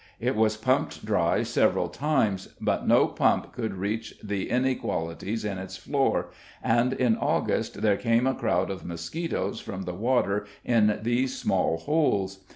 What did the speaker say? It was pumped dry several times, but no pump could reach the inequalities in its floor, and in August there came a crowd of mosquitoes from the water in these small holes.